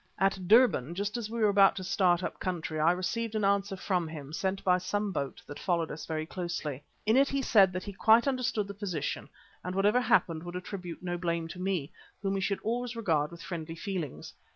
At Durban, just as we were about to start up country, I received an answer from him, sent by some boat that followed us very closely. In it he said that he quite understood the position, and whatever happened would attribute no blame to me, whom he should always regard with friendly feelings.